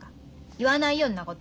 言わないよんなこと。